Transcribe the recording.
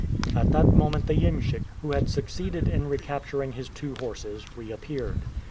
At that moment the iemschik, who had succeeded in recapturing his two horses, reappeared.